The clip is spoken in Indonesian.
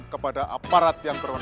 kepada aparat yang beronat